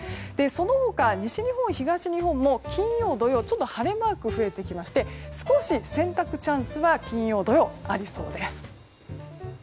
その他の西日本、東日本も金曜、土曜は晴れマークが増えてきて少し洗濯チャンスが金曜、土曜にありそうです。